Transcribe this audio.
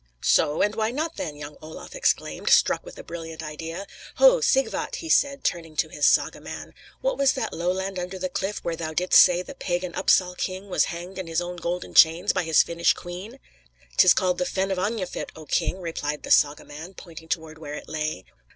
"So; and why not, then?" young Olaf exclaimed, struck with a brilliant idea. "Ho, Sigvat," he said, turning to his saga man, "what was that lowland under the cliff where thou didst say the pagan Upsal king was hanged in his own golden chains by his Finnish queen?" "'Tis called the fen of Agnefit, O king," replied the saga man, pointing toward where it lay.